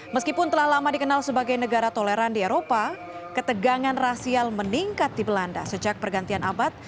meskipun telah lama dikenal sebagai negara toleran di eropa ketegangan rasial meningkat di belanda sejak pergantian abad